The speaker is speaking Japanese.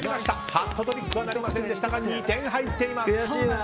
ハットトリックはなりませんでしたが２点入っています。